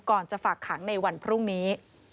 จะฝากขังในวันพรุ่งนี้